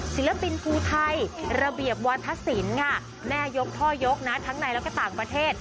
ศิลปินภูไทยระเบียบวาธศิลป์ค่ะแม่ยกท่อยกนะทั้งในแล้วก็ต่างประเทศ